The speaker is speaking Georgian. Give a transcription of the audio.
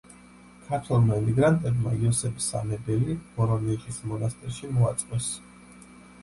ქართველმა ემიგრანტებმა იოსებ სამებელი ვორონეჟის მონასტერში მოაწყვეს.